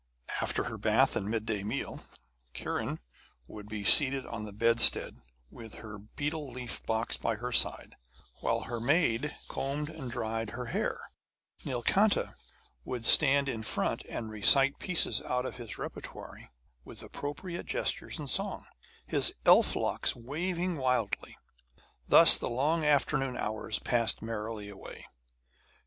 After her bath and mid day meal Kiran would be seated on the bedstead with her betel leaf box by her side; and while her maid combed and dried her hair, Nilkanta would stand in front and recite pieces out of his repertory with appropriate gesture and song, his elf locks waving wildly. Thus the long afternoon hours passed merrily away.